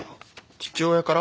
父親から？